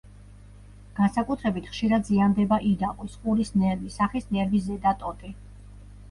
განსაკუთრებით ხშირად ზიანდება იდაყვის, ყურის ნერვი, სახის ნერვის ზედა ტოტი.